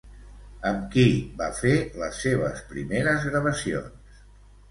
Amb qui va fer les seves primeres gravacions?